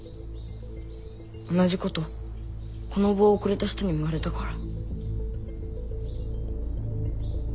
同じことこの棒をくれた人にも言われたから。